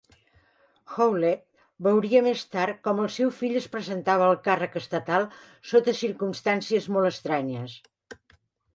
Howlett veuria més tard com el seu fill es presentava al càrrec estatal sota circumstàncies molt estranyes.